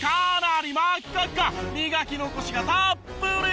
磨き残しがたっぷり！